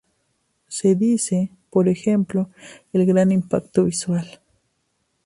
Se dice por ejemplo: "El gran impacto visual".